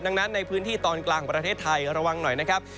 ดังนั้นในพื้นที่ตอนกลางของประเทศไทยระวังหน่อยนะครับ